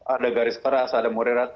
ada garis peras ada muridat